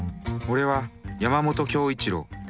俺は山本恭一郎。